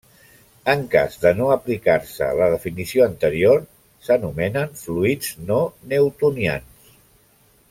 En cas de no aplicar-se la definició anterior, s'anomenen fluids no newtonians.